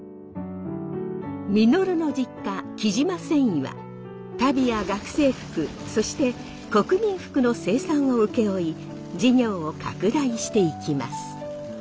稔の実家雉真繊維は足袋や学生服そして国民服の生産を請け負い事業を拡大していきます。